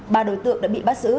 ba đối tượng đã bị bắt giữ